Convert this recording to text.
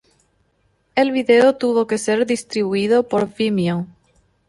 El video tuvo que ser distribuido por Vimeo.